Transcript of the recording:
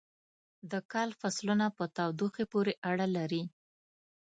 د کال فصلونه په تودوخې پورې اړه لري.